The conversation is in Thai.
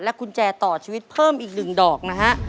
กุญแจต่อชีวิตเพิ่มอีก๑ดอกนะฮะ